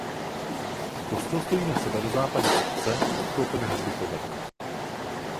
Kostel stojí na severozápadě obce obklopen hřbitovem.